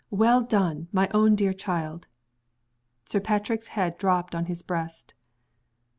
"Well done, my own dear child!" Sir Patrick's head dropped on his breast.